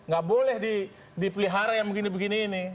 gak boleh dipelihara yang begini begini ini